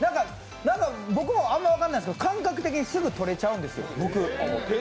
僕もあんま分かんないですけど感覚的にすぐ取れちゃうんですよ。